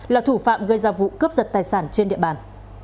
là thủ phạm gây ra vụ cướp giật tài sản trên địa bàn